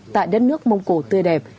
tại đất nước mông cổ tươi đẹp